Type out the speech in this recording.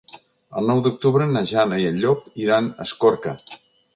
El nou d'octubre na Jana i en Llop iran a Escorca.